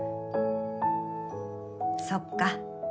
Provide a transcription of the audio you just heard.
そっか。